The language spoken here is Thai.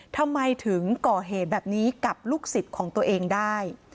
ทำไมถึงก่อเหตุแบบนี้กับลูกศิษย์ของตัวเองได้